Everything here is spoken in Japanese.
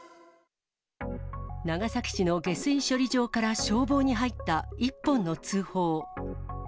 長崎市の下水処理場から消防に入った一本の通報。